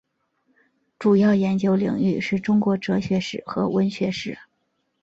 主要研究领域是中国哲学史和文学史。